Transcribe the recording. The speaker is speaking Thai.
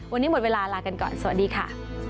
วันนี้หมดเวลาลากันก่อนสวัสดีค่ะ